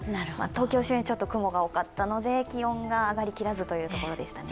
東京周辺、雲が多かったので気温が上がりきらずというところでしたね。